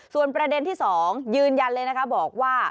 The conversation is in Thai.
ส่วนประเด็นที่๒ยืนยันเลยนะคะบอกว่า